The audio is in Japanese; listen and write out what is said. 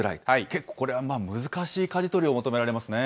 結構これは難しいかじ取りを求められますね。